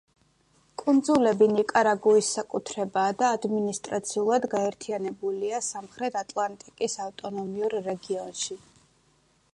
კუნძულები ნიკარაგუის საკუთრებაა და ადმინისტრაციულად გაერთიანებულია სამხრეთ ატლანტიკის ავტონომიურ რეგიონში.